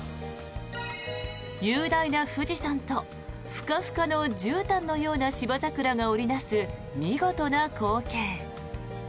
雄大な富士山とふかふかのじゅうたんのようなシバザクラが織りなす見事な光景。